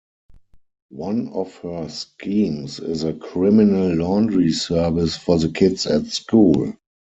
One of her schemes is a criminal laundry service for the kids at school.